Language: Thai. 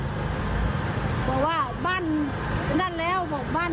มาเปิดหน้าต่างดูมันเสียงเลื่อนมาก็เลยก้มหลานไปอย่าง